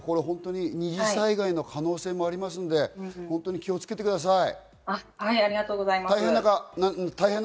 二次災害の可能性もありますので気をつけてください。